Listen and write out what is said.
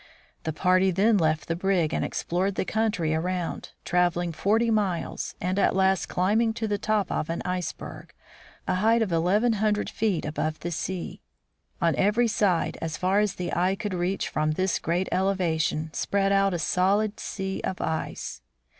The party then left the brig and explored the country around, traveling forty miles, and at last climbing to the top of an iceberg, a height of eleven hundred feet above the sea. On every side, as far as the eye could reach from this great elevation, spread out a solid sea of ice.